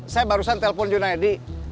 saya barusan telpon junedi